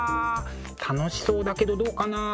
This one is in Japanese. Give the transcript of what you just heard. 楽しそうだけどどうかなあ？